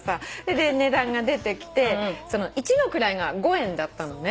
で値段が出てきて１の位が５円だったのね。